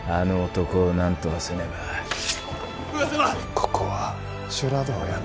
ここは修羅道やな。